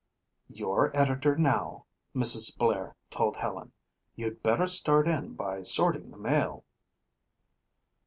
"You're editor now," Mrs. Blair told Helen. "You'd better start in by sorting the mail."